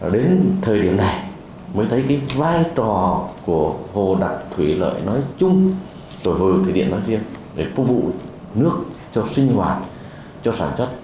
đến thời điểm này mới thấy vai trò của hồ đặc thủy lợi nói chung với hồ thủy điện nói riêng để phục vụ nước cho sinh hoạt cho sản chất